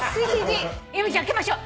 由美ちゃんあけましょう。